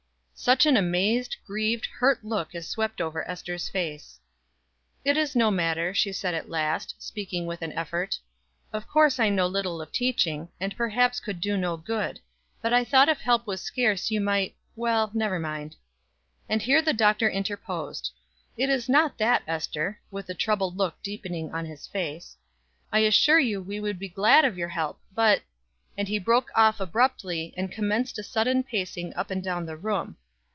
Such an amazed, grieved, hurt look as swept over Ester's face. "It is no matter," she said at last, speaking with an effort. "Of course I know little of teaching, and perhaps could do no good; but I thought if help was scarce you might well, never mind." And here the Doctor interposed. "It is not that, Ester," with the troubled look deepening on his face. "I assure you we would be glad of your help, but," and he broke off abruptly, and commenced a sudden pacing up and down the room.